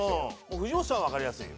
藤本さんはわかりやすいよ。